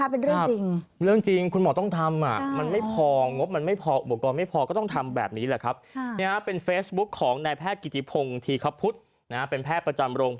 เป็นเรื่องตลกหรือเปล่าไม่ตลกนะครับเป็นเรื่องจริง